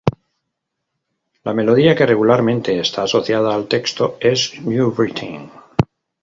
La melodía que regularmente está asociada al texto es New Britain.